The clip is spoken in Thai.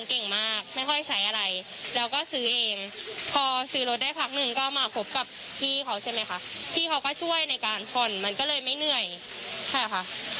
คือเนิร์สหาเงินเก็บเองมาตลอดเนิร์สเป็นคนพยายามมากเป็นคนดีมาก